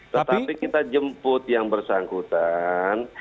tetapi kita jemput yang bersangkutan